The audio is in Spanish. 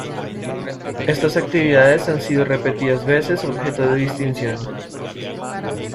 Estas actividades han sido repetidas veces objeto de distinción.